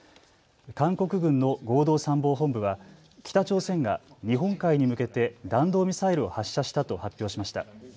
韓国軍の合同参謀本部は北朝鮮が日本海に向けて弾道ミサイルを発射したと発表しました。